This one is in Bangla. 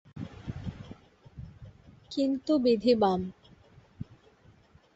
কিন্ত বিধি বাম।